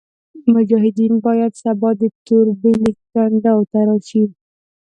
مجاهدین باید سبا د توربېلې کنډو ته راشي.